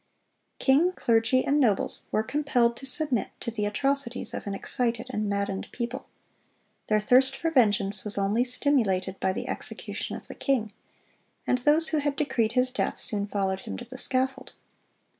King, clergy, and nobles were compelled to submit to the atrocities of an excited and maddened people. Their thirst for vengeance was only stimulated by the execution of the king; and those who had decreed his death, soon followed him to the scaffold.